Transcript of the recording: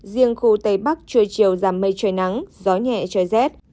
riêng khu tây bắc trưa chiều giảm mây trời nắng gió nhẹ trời rét